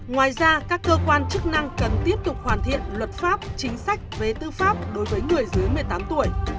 ngoài ra các cơ quan chức năng cần tiếp tục hoàn thiện luật pháp chính sách về tư pháp đối với người dưới một mươi tám tuổi